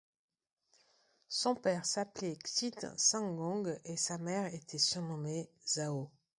Son père s'appelait Xin Sangong et sa mère était surnommée Zhao.